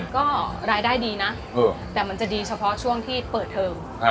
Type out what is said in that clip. ก็รายได้ดีนะแต่มันจะดีเฉพาะช่วงที่เปิดเทอม